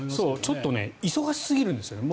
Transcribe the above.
ちょっと忙しすぎるんですよね。